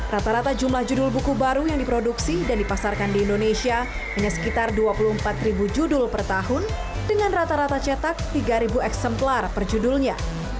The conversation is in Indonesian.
rata rata jumlah judul buku baru yang diproduksi dan dipasarkan di indonesia hanya sekitar dua puluh empat judul per tahun dengan rata rata cetak tiga eksemplar per judulnya